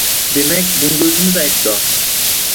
Demak, bunga o`zimiz aybdor